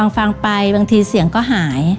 ฟังไปบางทีเสียงก็หาย